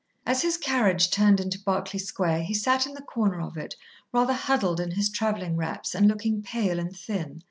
As his carriage turned into Berkeley Square he sat in the corner of it rather huddled in his travelling wraps and looking pale and thin.